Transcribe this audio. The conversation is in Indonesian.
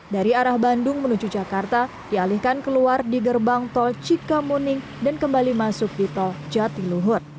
dari arah bandung menuju jakarta dialihkan keluar di gerbang tol cikamuning dan kembali masuk di tol jatiluhur